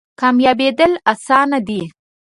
کامیابیدل اسانه دی؟